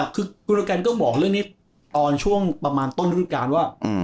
คือกุลกันก็บอกเรื่องนี้ตอนช่วงประมาณต้นฤดูการว่า